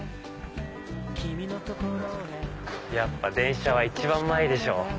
やっぱ電車は一番前でしょう。